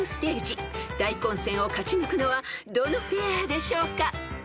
［大混戦を勝ち抜くのはどのペアでしょうか？］